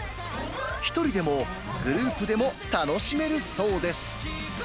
１人でもグループでも楽しめるそうです。